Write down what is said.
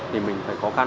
thì mình phải khó khăn